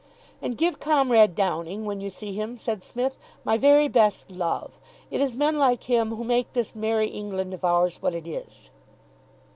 "And give Comrade Downing, when you see him," said Psmith, "my very best love. It is men like him who make this Merrie England of ours what it is."